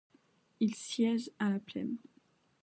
Il siège à la Plaine.